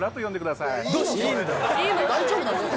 大丈夫なんですか？